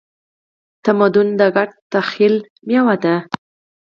تمدن د ګډ تخیل میوه ده.